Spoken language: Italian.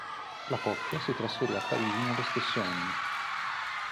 La coppia si trasferì a Parigi nello stesso anno.